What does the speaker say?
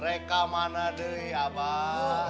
reka mana deh ya bang